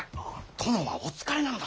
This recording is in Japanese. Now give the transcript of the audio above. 殿はお疲れなのだ。